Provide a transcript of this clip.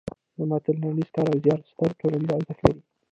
د متن لنډیز کار او زیار ستر ټولنیز ارزښت لري.